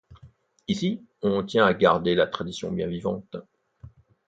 Ici, on tient à garder la tradition bien vivante.